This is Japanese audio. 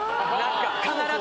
必ず。